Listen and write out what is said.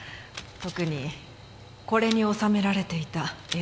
特にこれに収められていた映像が。